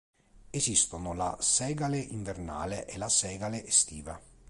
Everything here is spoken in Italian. Esistono la segale invernale e la segale estiva.